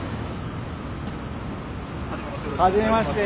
はじめまして。